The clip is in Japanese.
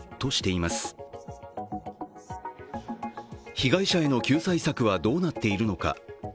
被害者への救済策はどうなっているのか。